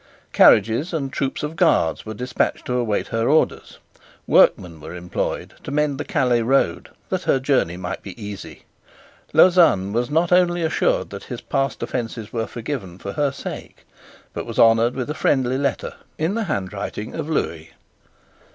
Carriages and troops of guards were despatched to await her orders, workmen were employed to mend the Calais road that her journey might be easy. Lauzun was not only assured that his past offences were forgiven for her sake, but was honoured with a friendly letter in the handwriting of Lewis.